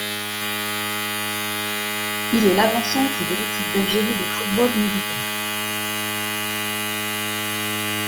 Il est l'avant centre de l'Équipe d'Algérie de football militaire.